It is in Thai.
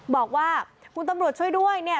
บอกว่าคุณตำรวจช่วยด้วยเนี่ย